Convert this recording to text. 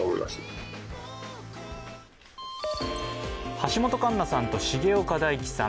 橋本環奈さんと重岡大毅さん